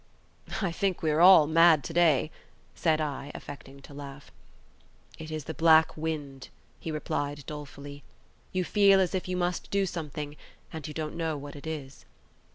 "I think we are all mad to day," said I, affecting to laugh. "It is the black wind," he replied dolefully. "You feel as if you must do something, and you don't know what it is."